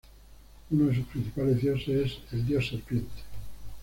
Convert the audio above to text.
Uno de sus principales dioses es el "dios serpiente".